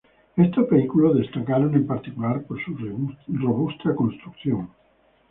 Estos vehículos destacaron en particular por su robusta construcción.